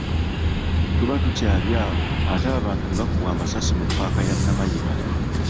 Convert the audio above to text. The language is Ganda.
Tuba tukyali awo ate abantu ne bakubwa amasasi mu ppaaka ya Namayiba